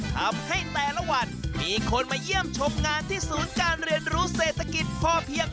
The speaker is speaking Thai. ทำให้แต่ละวันมีคนมาเยี่ยมชมงานที่ศูนย์การเรียนรู้เศรษฐกิจพอเพียง